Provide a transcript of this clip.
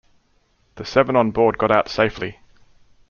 The seven on board got out safely.